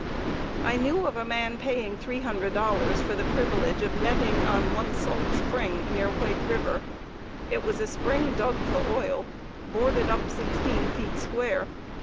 I knew of a man paying $300 for the privilege of netting on one salt spring near White River. It was a spring dug for oil, boarded up sixteen feet square.